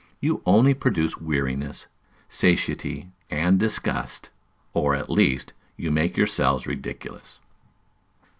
You only produce weariness, satiety, and disgust, or, at least, you make yourselves ridiculous.